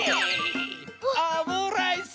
オムライス。